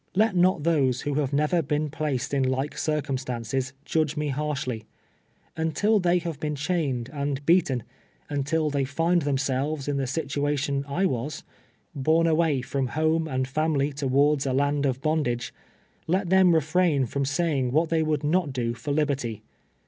Let not those who have never been placed in like circumstances, judge me harshly. Until they have been chained and beaten — until they find them Bclves in the situation I was, borne away from homo THE COXSriRACY. 69 and laniily to\vavds a land of bondage — let tlieni re frain from sayinii' Avliat tliey wonld not do forlibertj.